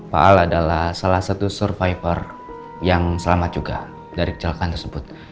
paal adalah salah satu survivor yang selamat juga dari kecelakaan tersebut